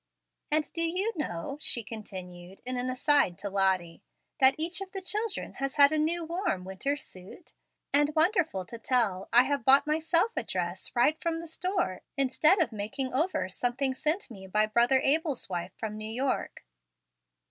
"And do you know," she continued, in an aside to Lottie, "that each of the children has had a new warm winter suit? and, wonderful to tell, I have bought myself a dress right from the store, instead of making over something sent me by brother Abel's wife from New York."